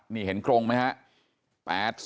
นี่เห็นกรงไหมฮะ